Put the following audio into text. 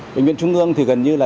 bệnh viện trung ương thì gần như là